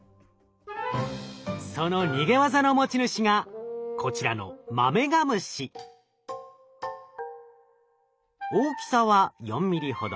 その逃げ技の持ち主がこちらの大きさは４ｍｍほど。